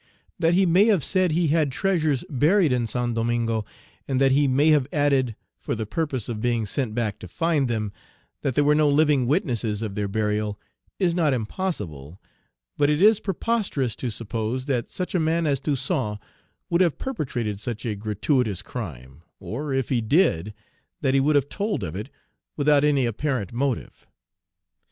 That he may have said he had treasures buried in St. Domingo, and that he may have added, for the purpose of being sent back to find them, that there were no living witnesses of their burial, is not impossible; but it is preposterous to suppose that such a man as Toussaint would have perpetrated such a gratuitous crime, or, if he did, that he would have told of it, without any apparent motive.